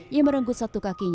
yang merenggut satu kakinya